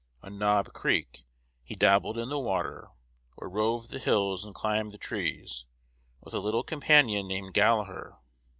On Knob Creek, he dabbled in the water, or roved the hills and climbed the trees, with a little companion named Gallaher.